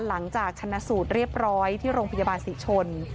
หลังจากชนะสูตรเรียบร้อยที่โรงพยาบาลศรีชน